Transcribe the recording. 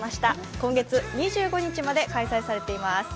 今月２５日まで開催されています。